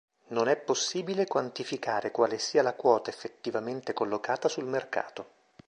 Non è possibile quantificare quale sia la quota effettivamente collocata sul mercato.